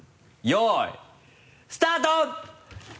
よいスタート！